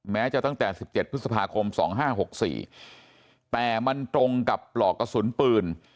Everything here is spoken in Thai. แม้จะตั้งแต่๑๗พฤษภาคม๒๕๖๔แต่มันตรงกับปลอกกระสุนปืน